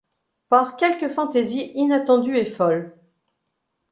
Par quelque fantaisie inattendue et folle